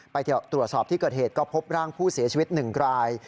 ไปตรวจสอบที่เกิดเหตุก็พบร่างผู้เสียชีวิต๑ราย